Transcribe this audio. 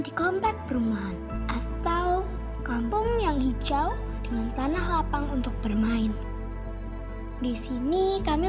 di komplek perumahan atau kampung yang hijau dengan tanah lapang untuk bermain disini kami